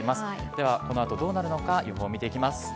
では、このあとどうなるのか、予報見ていきます。